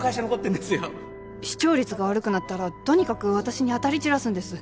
視聴率が悪くなったらとにかく私に当たり散らすんです。